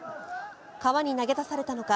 川に投げ出されたのか